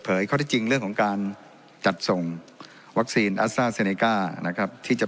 เผยเขาได้จริงเรื่องของการจัดส่งวัคซีนนะครับที่จะ